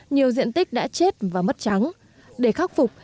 nhiều diện tích đã chết